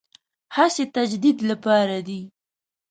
هڅې تجدید لپاره دي.